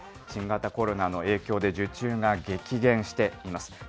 新型コロナの影響で受注が激減しています。